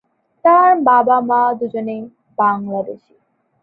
তার বাবা-মা দুজনেই বাংলাদেশী।